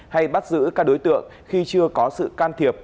hay bắt giữ các đối tượng khi chưa có sự can thiệp